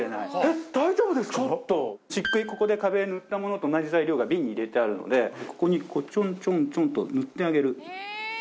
壁塗ったものと同じ材料が瓶に入れてあるのでここにちょんちょんと塗ってあげる。